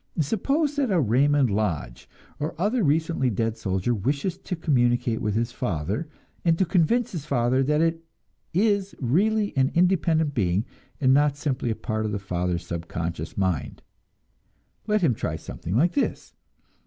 Suppose that a Raymond Lodge or other recently dead soldier wishes to communicate with his father and to convince his father that it is really an independent being, and not simply a part of the father's subconscious mind let him try something like this.